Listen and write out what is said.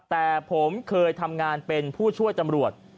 แต่ผมเคยทำงานเป็นผู้ช่วยตำรวจ